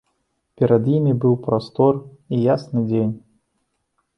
Перад імі быў прастор і ясны дзень.